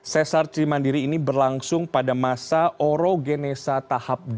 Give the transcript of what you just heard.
sesar cimandiri ini berlangsung pada masa orogenesat